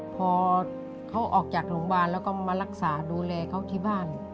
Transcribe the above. พอเขาออกจากโรงพยาบาลแล้วก็มารักษาดูแลเขาที่บ้าน